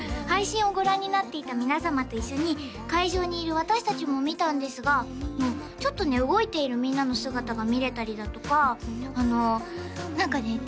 配信をご覧になっていた皆様と一緒に会場にいる私達も見たんですがちょっとね動いているみんなの姿が見れたりだとかあの何かね